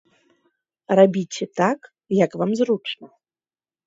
Рабіце так, як вам зручна.